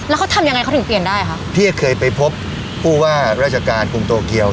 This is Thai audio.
แล้วเขาทำยังไงเขาถึงเปลี่ยนได้คะที่จะเคยไปพบผู้ว่าราชการกรุงโตเกียว